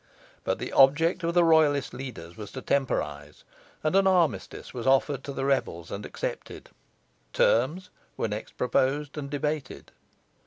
But the object of the Royalist leaders was to temporise, and an armistice was offered to the rebels and accepted. Terms were next proposed and debated.